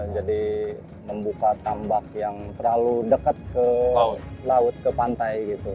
jadi membuka tambak yang terlalu dekat ke laut ke pantai gitu